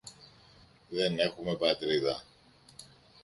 Δεν έχουμε Πατρίδα!